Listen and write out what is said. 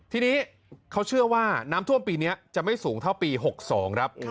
ทีนี้เขาเชื่อว่าน้ำท่วมปีนี้จะไม่สูงเท่าปี๖๒ครับ